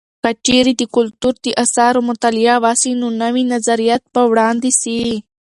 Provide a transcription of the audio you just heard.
که چیرې د کلتور د اثارو مطالعه وسي، نو نوي نظریات به وړاندې سي.